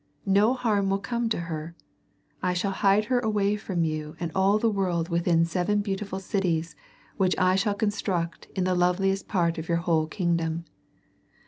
No harm will come to her. I shall hide her away from you and all the world within seven beautiful cities which I shall construct in the loveliest part of your whole kingdom.